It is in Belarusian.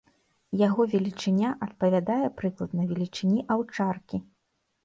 Яго велічыня адпавядае прыкладна велічыні аўчаркі.